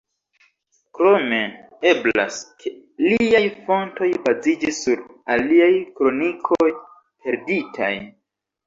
Krome, eblas ke liaj fontoj baziĝis sur aliaj kronikoj perditaj.